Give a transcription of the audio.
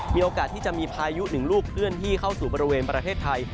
มีโอกาสที่จะมีพายุหนึ่งลูกเคลื่อนที่เข้าสู่บริเวณประเทศไทย